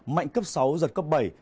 mạnh cấp sáu giật cấp bảy